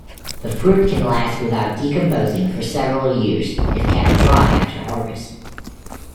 The fruit can last without decomposing for several years if kept dry after harvest.